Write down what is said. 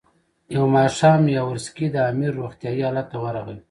یو ماښام یاورسکي د امیر روغتیایي حالت ته ورغی.